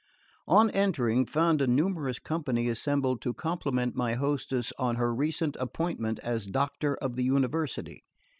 On entering, found a numerous company assembled to compliment my hostess on her recent appointment as doctor of the University.